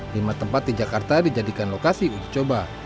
lima tempat di jakarta dijadikan lokasi uji coba